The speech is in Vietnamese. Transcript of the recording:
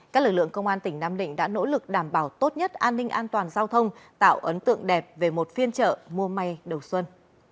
các lực lượng công an tỉnh nam định đã nỗ lực đảm bảo tốt nhất an ninh an toàn giao thông tạo ấn tượng đẹp về một phiên chợ mua may đầu xuân